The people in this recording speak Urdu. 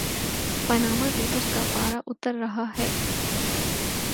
پاناما پیپرز کا پارہ اتر رہا ہے۔